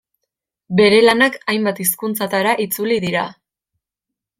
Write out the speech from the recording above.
Bere lanak hainbat hizkuntzatara itzuli dira.